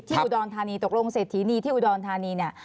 อุดรธานีตกลงเศรษฐีนีที่อุดรธานีเนี่ย